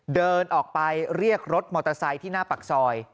เดินออกไปเรียกรถมอเตอร์ไซค์ที่หน้าปากซอย